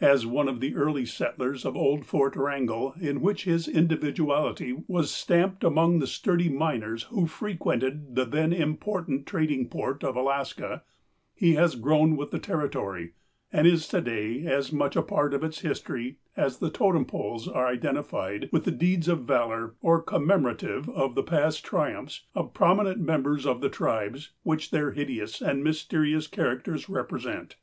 As one of the early settlers of old Fort Wrangel, in which his individuality was stamped among the sturdy miners who frequented the then important trading port of Alaska, he has grown with the Territory and is to day as much a part of its history as the totem poles are iden tified with the deeds of valor or commemorative of the past tri umphs of prominent members of the tribes which their hideous and mysterious characters represent.